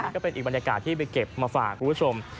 ก็เป็นอีกบรรยากาศที่ไปเก็บมาฝากคุณผู้ชม